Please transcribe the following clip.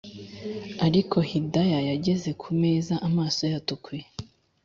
ariko hidaya yageze kumeza amaso yatukuye